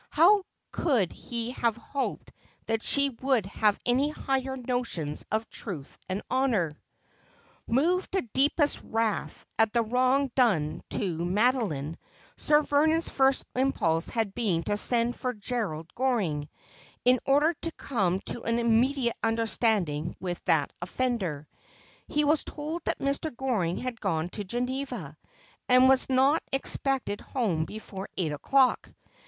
How could he have hoped that she would have any higher notions of truth and honour ? Moved to deepest wrath at the wrong done to Madoline, Sir Vernon's first impulse had been to send for Gerald Goring, in order to come to an immediate understanding with that offender. He was told that Mr. Goring had gone to Geneva, and was not expected home before eight o'clock.